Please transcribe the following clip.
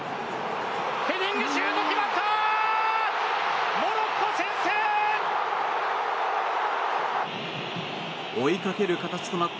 ヘディングシュート決まった！